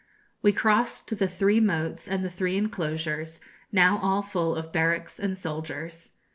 We crossed the three moats and the three enclosures, now all full of barracks and soldiers.